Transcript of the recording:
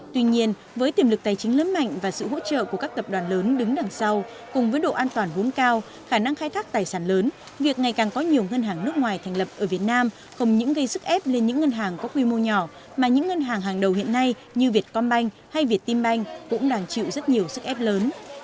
tuy nhiên với tiềm lực tài chính lớn mạnh và sự hỗ trợ của các tập đoàn lớn đứng đằng sau cùng với độ an toàn vốn cao khả năng khai thác tài sản lớn việc ngày càng có nhiều ngân hàng nước ngoài thành lập ở việt nam không những gây sức ép lên những ngân hàng có quy mô nhỏ mà những ngân hàng hàng đầu hiện nay như vietcombank hay việt tim banh cũng đang chịu rất nhiều sức ép lớn